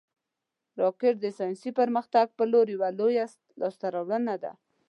راکټ د ساینسي پرمختګ پر لور یوه لویه لاسته راوړنه ده